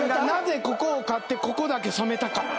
なぜここを刈ってここだけ染めたか？